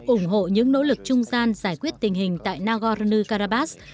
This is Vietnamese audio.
ủng hộ những nỗ lực trung gian giải quyết tình hình tại nagorno karabakh